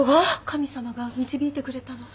神様が導いてくれたの。